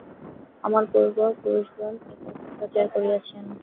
আমার পূর্ব- পুরুষগণ এ-কথাই প্রচার করেছেন।